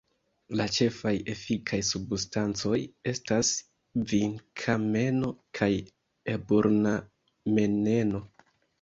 La ĉefaj efikaj substancoj estas vinkameno kaj eburnameneno.